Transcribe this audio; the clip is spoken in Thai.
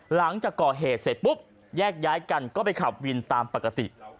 หลังจากก่อเหตุเสร็จปุ๊บแยกย้ายกันก็ไปขับวินตามปกติ